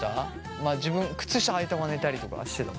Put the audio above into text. まあ自分くつ下はいたまま寝たりとかはしてたもんね。